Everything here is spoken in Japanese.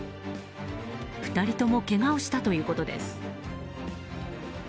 ２人ともけがをしたということです。